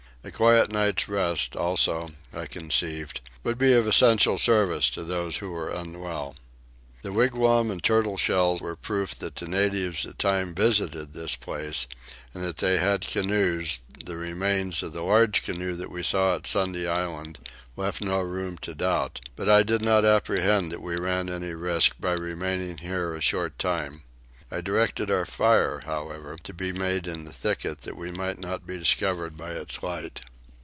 A quiet night's rest also, I conceived, would be of essential service to those who were unwell. The wigwam and turtle shell were proofs that the natives at times visited this place, and that they had canoes the remains of the large canoe that we saw at Sunday Island left no room to doubt: but I did not apprehend that we ran any risk by remaining here a short time. I directed our fire however to be made in the thicket that we might not be discovered by its light.